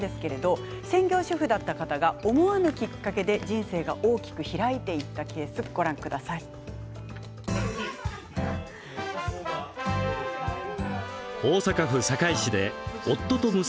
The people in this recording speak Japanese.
専業主婦だった方が思わぬきっかけから人生が大きく開いていったケースです。